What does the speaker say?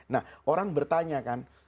nah orang bertanya kan